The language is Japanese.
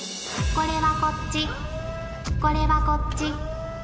これはこっちこれはこっち。